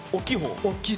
大きい？